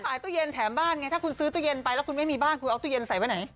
ตู้เย็นแถมบ้านไงถ้าคุณซื้อตู้เย็นไปแล้วคุณไม่มีบ้านคุณเอาตู้เย็นใส่ไว้ไหน